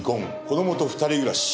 子どもと２人暮らし。